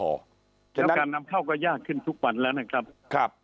แล้วการนำเข้าก็ยากขึ้นทุกวันแล้วนะครับ